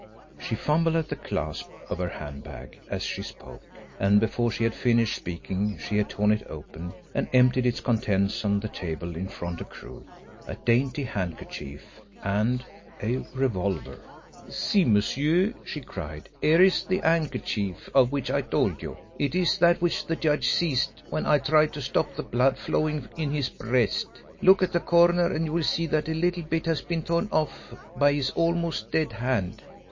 She fumbled at the clasp of her hand bag, as she spoke, and before she had finished speaking she had torn it open and emptied its contents on the table in front of Crewe a dainty handkerchief and a revolver. "See, monsieur!" she cried; "here is the handkerchief of which I told you. It is that which the judge seized when I tried to stop the blood flowing in his breast look at the corner and you will see that a little bit has been torn off by his almost dead hand.